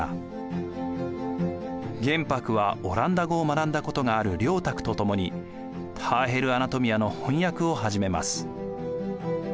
玄白はオランダ語を学んだことがある良沢とともに「ターヘル・アナトミア」の翻訳を始めます。